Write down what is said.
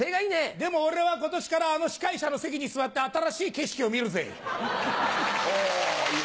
でも俺は今年からあの司会者の席に座って新しい景色を見るぜい！